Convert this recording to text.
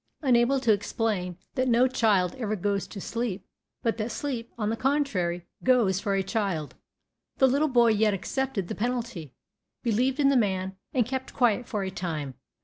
Unable to explain that no child ever goes to sleep, but that sleep, on the contrary, "goes" for a child, the little boy yet accepted the penalty, believed in the man, and kept quiet for a time.